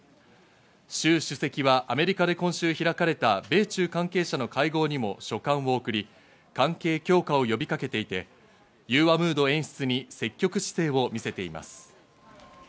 シュウ主席はアメリカで今週開かれた米中関係者の会合にも書簡を送り、関係強化を呼びかけていて融和ムード演出に積極姿勢を見せています。